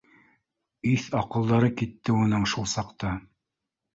Иҫ-аҡылдары китте уның шул саҡта